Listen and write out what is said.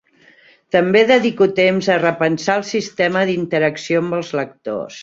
També dedico temps a repensar el sistema d'interacció amb els lectors.